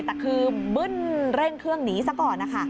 แต่คือบึ้นเร่งเครื่องหนีซะก่อนนะคะ